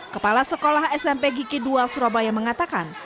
kepala sekolah smp gigi dua surabaya mengatakan